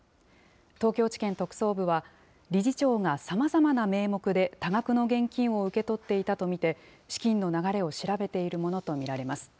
東京地検特捜部は、理事長がさまざまな名目で多額の現金を受け取っていたと見て、資金の流れを調べているものと見られます。